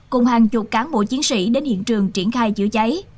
cùng hàng chục cán bộ chiến sĩ đến hiện trường triển khai chữa cháy